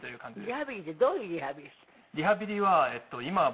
リハビリってどういうリハビリするんです？